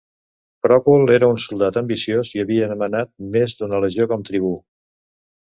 Pròcul era un soldat ambiciós i havia manat més d'una legió com tribú.